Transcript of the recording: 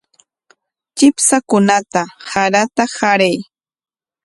Chipshakunata sarata qaray.